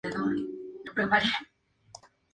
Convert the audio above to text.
El concepto ha atraído atención así como oposición.